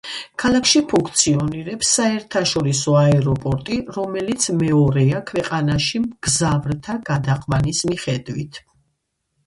ქალაქში ფუნქციონირებს საერთაშორისო აეროპორტი, რომელიც მეორეა ქვეყანაში მგზავრთა გადაყვანის მიხედვით.